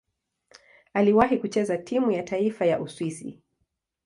Aliwahi kucheza timu ya taifa ya Uswisi.